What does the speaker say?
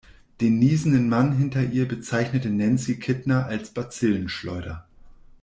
Den niesenden Mann hinter ihr bezeichnete Nancy Kittner als Bazillenschleuder.